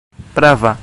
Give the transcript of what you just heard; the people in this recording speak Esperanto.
prava